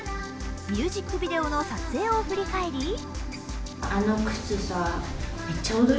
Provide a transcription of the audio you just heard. ミュージックビデオの撮影を振り返り